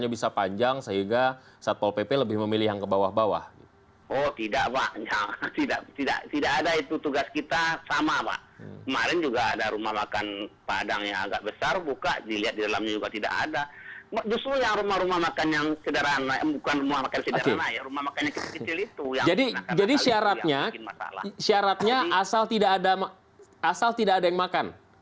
yang membagi manakan